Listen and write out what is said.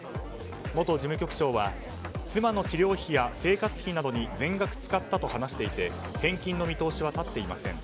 元事務局長は妻の治療費や生活費などに全額使ったと話していて返金の見通しは立っていません。